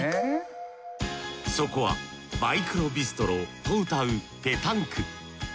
そこはマイクロビストロとうたうペタンク。